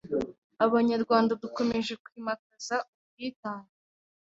Abanyarwanda dukomeje kwimakaza ubwitang